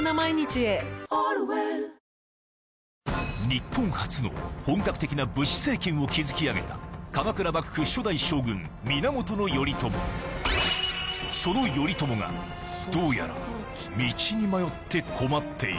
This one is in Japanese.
日本初の本格的な武士政権を築き上げたその頼朝がどうやら道に迷って困っている